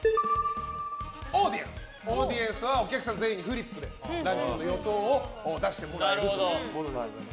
オーディエンスはお客さん全員にフリップでランキングの予想を出してもらえるというものです。